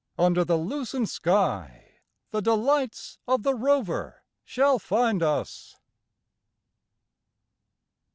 Under the lucent sky the delights of the rover shall find us.